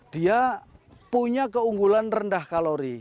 dia punya keunggulan rendah kalori